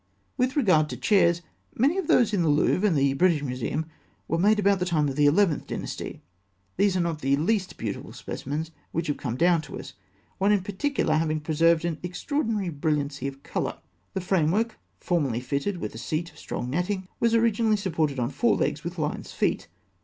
With regard to chairs, many of those in the Louvre and the British Museum were made about the time of the Eleventh Dynasty. These are not the least beautiful specimens which have come down to us, one in particular (fig. 268) having preserved an extraordinary brilliancy of colour. The framework, formerly fitted with a seat of strong netting, was originally supported on four legs with lions' feet.